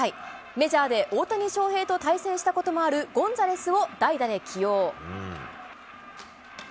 メジャーで大谷翔平と対戦したこともある、ゴンザレスを代打で起用。